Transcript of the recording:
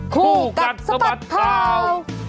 คู่กัดสะบัดข่าว